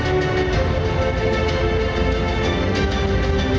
ก็ไม่รู้ก็ดูกันไป